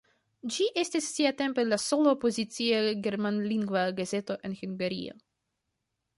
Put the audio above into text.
Ĝi estis siatempe la sola opozicia germanlingva gazeto en Hungario.